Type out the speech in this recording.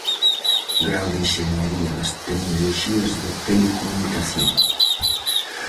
Grao de Enxeñaría das Tecnoloxías de Telecomunicación.